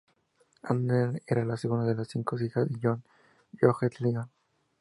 Anne era la segunda de las cinco hijas de John Bowes-Lyon.